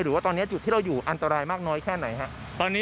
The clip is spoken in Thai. หรือว่าตอนนี้จุดที่เราอยู่อันตรายมากน้อยแค่ไหนครับ